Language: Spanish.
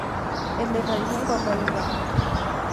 Es la irradiación con rayos gamma.